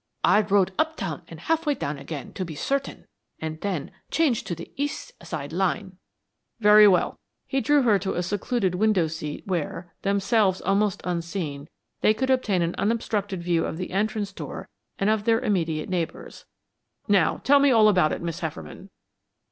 I rode uptown and half way down again to be certain, and then changed to the east side line." "Very well." He drew her to a secluded window seat where, themselves almost unseen, they could obtain an unobstructed view of the entrance door and of their immediate neighbors. "Now tell me all about it, Miss Hefferman."